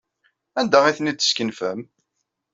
Anda ay ten-id-teskenfem?